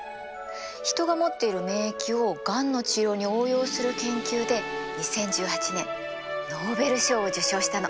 人が持っている免疫をがんの治療に応用する研究で２０１８年ノーベル賞を受賞したの。